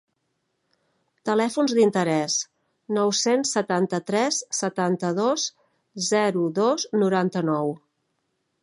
Telèfons d'interès: nou-cents setanta-tres setanta-dos zero dos noranta-nou.